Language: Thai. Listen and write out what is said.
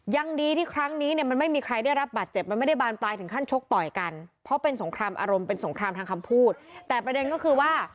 ยังดีที่ครั้งนี้เนี่ยมันไม่มีใครได้รับบาดเจ็บมันไม่ได้บานปลายถึงขั้นชกต่อยกันเพราะเป็นสงครามอารมณ์เป็นสงครามทางคำพูดแต่ประเด็นก็คือว่า